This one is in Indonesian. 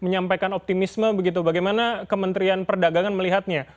menyampaikan optimisme begitu bagaimana kementerian perdagangan melihatnya